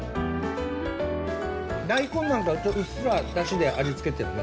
大根なんかうっすらだしで味付けてるね。